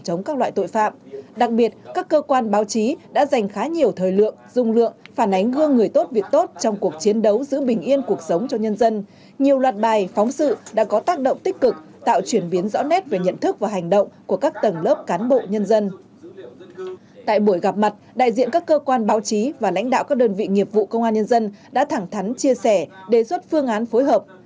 tại buổi gặp mặt đại diện các cơ quan báo chí và lãnh đạo các đơn vị nghiệp vụ công an nhân dân đã thẳng thắn chia sẻ đề xuất phương án phối hợp đề xuất phương án phối hợp đề xuất phương án phối hợp